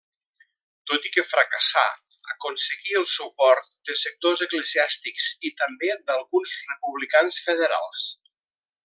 Tot i que fracassà aconseguí el suport de sectors eclesiàstics i també d'alguns republicans federals.